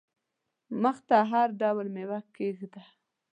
مخ ته هر ډول مېوه کښېږده !